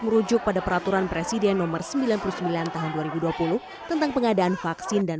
merujuk pada peraturan presiden nomor sembilan puluh sembilan tahun dua ribu dua puluh tentang pengadaan vaksin dan